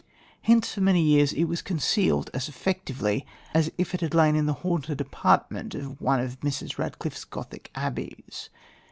Hence for many years it was concealed as effectively as if it had lain in the haunted apartment of one of Mrs. Radcliffe's Gothic abbeys.